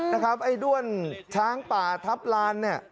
นะครับไอด้วนช้างป่าทับลานเนี่ย